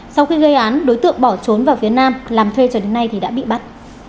sau khi gây án đối tượng bỏ trốn vào phía nam làm thuê cho đến nay thì đã bị bắt